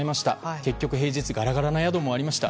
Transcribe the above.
結局、平日はガラガラな宿もありました。